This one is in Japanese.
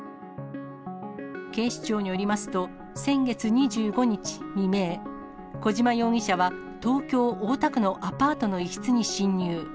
警視庁によりますと、先月２５日未明、小島容疑者は、東京・大田区のアパートの一室に侵入。